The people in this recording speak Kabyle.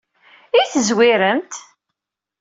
I tezwiremt?